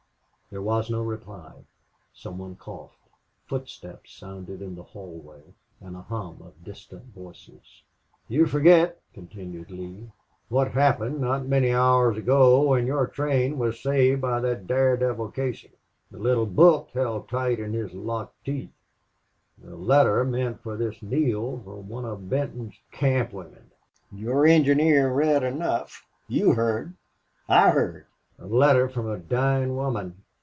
There was no reply. Some one coughed. Footsteps sounded in the hallway, and a hum of distant voices. "You forget," continued Lee, "what happened not many hours ago when your train was saved by that dare devil Casey the little book held tight in his locked teeth the letter meant for this Neale from one of Benton's camp women.... Your engineer read enough. You heard. I heard.... A letter from a dying woman.